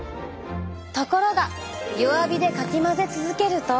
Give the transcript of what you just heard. ところが弱火でかき混ぜ続けると。